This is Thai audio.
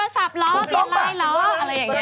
ตอนนั้นสุกเจอน้องโฟนคุณเศร้าของพี่มดเลย